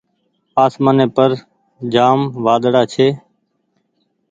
آسمآني پر جآم وآۮڙآ ڇي۔